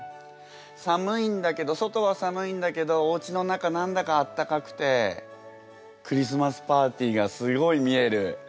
寒いんだけど外は寒いんだけどおうちの中何だかあったかくてクリスマスパーティーがすごい見える。